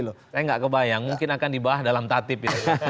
saya nggak kebayang mungkin akan dibahas dalam tatip